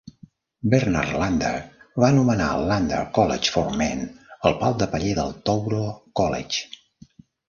Bernard Lander va anomenar el Lander College for Men el "pal de paller" del Touro College.